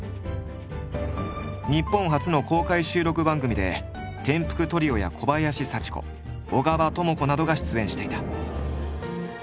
日本初の公開収録番組でてんぷくトリオや小林幸子小川知子などが出演していた。